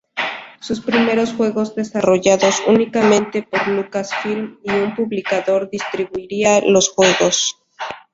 Sus primeros juegos desarrollados únicamente por Lucasfilm, y un publicador distribuiría los juegos.